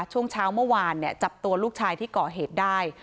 ช่วงเช้าเมื่อวานจับตัวลูกชายที่ก่อเหตุได้